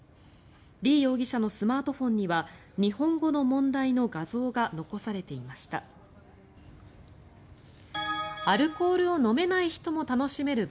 リ容疑者のスマートフォンには日本語の問題の画像が残されていました。